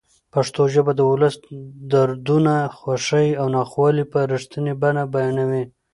پښتو ژبه د ولس دردونه، خوښۍ او ناخوالې په رښتینې بڼه بیانوي.